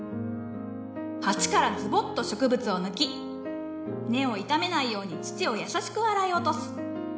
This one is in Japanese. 鉢からズボッと植物を抜き根を傷めないように土を優しく洗い落とす。